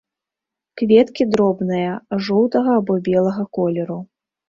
Кветкі дробныя, жоўтага або белага колеру.